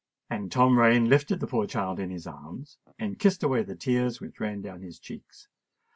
And Tom Rain lifted the poor child in his arms and kissed away the tears which ran down his cheeks.